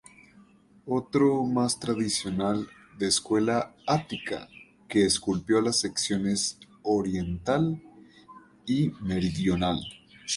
Otro, más tradicional, de escuela ática, que esculpió las secciones oriental y meridional.